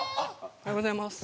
おはようございます。